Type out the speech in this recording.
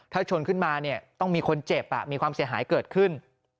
ถ้าชนขึ้นมาเนี่ยต้องมีคนเจ็บมีความเสียหายเกิดขึ้น